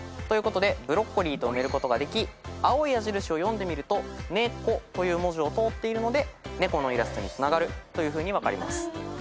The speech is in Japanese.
ということで「ぶろっこりー」と埋めることができ青い矢印を読んでみると「ねこ」という文字を通っているので猫のイラストにつながるというふうに分かります。